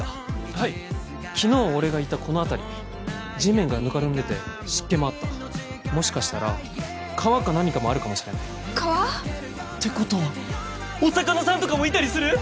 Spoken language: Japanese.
はい昨日俺がいたこの辺り地面がぬかるんでて湿気もあったもしかしたら川か何かもあるかもしれない川！？ってことはお魚さんとかもいたりする？